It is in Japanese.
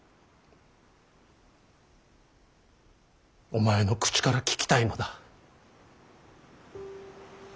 お前の口から聞きたいのだ。